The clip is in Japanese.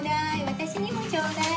わたしにもちょうだい。